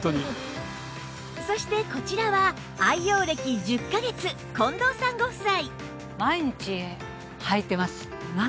そしてこちらは愛用歴１０カ月近藤さんご夫妻